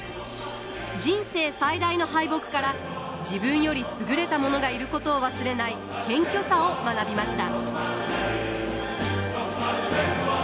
人生最大の敗北から自分より優れた者がいることを忘れない謙虚さを学びました。